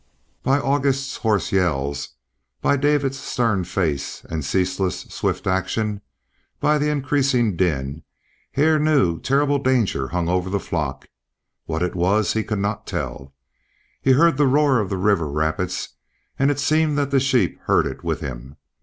By August's hoarse yells, by Dave's stern face and ceaseless swift action, by the increasing din, Hare knew terrible danger hung over the flock; what it was he could not tell. He heard the roar of the river rapids, and it seemed that the sheep heard it with him.